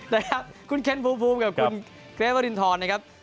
นะครับคุณเคนฟูฟูและคุณเกรฟรินทรนะครับ